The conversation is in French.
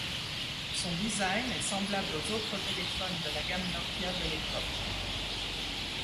Son design est semblable aux autres téléphones de la gamme Nokia de l'époque.